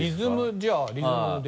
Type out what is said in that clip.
じゃあリズムで。